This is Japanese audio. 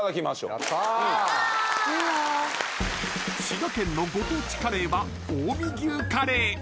［滋賀県のご当地カレーは近江牛カレー］